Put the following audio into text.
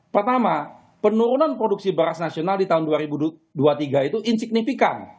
pertama penurunan produksi beras nasional di tahun dua ribu dua puluh tiga itu insignifikan